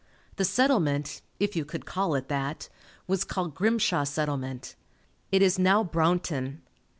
The settlement, if you could call it that, was called Grimshaw Settlement. It is now Brownton.